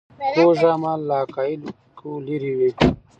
کوږ عمل له حقایقو لیرې وي